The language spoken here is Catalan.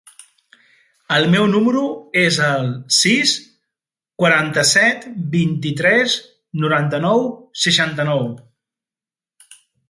El meu número es el sis, quaranta-set, vint-i-tres, noranta-nou, seixanta-nou.